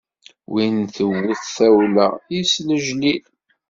Win tewwet tawla, yeslejlij.